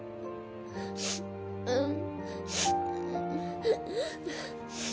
うん。